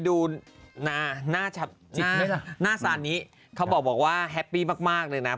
ดูหน้าซานนี้เขาบอกว่าแฮปปี้มากเลยนะ